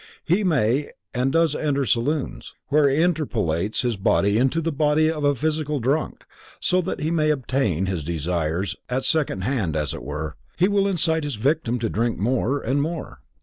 He may and does enter saloons, where he interpolates his body into the body of a physical drunkard, so that he may obtain his desires at second hand as it were, he will incite his victim to drink more and more.